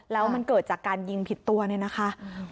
แล้วมันเกิดจากการยิงผิดตัวเนี่ยนะคะ